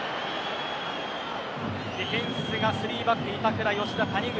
ディフェンスが３バック板倉、吉田、谷口。